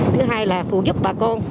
thứ hai là phụ giúp bà con